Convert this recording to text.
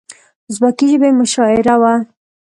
د ازبکي ژبې مشاعره وه.